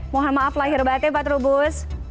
mohon maaf lahir batin pak trubus